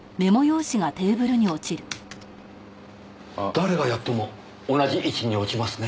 誰がやっても同じ位置に落ちますね。